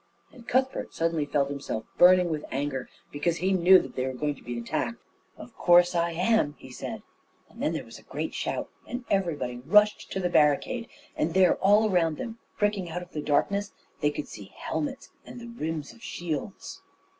And Cuthbert suddenly felt himself burning with anger, because he knew that they were going to be attacked. "Of course I am," he said, and then there was a great shout, and everybody rushed to the barricade; and there all round them, pricking out of the darkness, they could see helmets and the rims of shields.